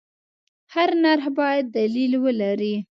هر نرخ باید دلیل ولري.